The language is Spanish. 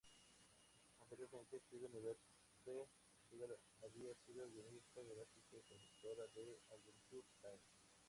Anteriormente a "Steven Universe", Sugar había sido guionista gráfica y productora en "Adventure Time".